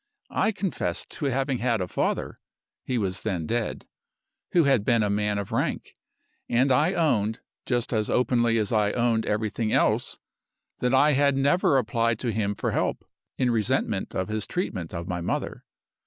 I confessed to having had a father (he was then dead) who had been a man of rank; and I owned (just as openly as I owned everything else) that I had never applied to him for help, in resentment of his treatment of my mother.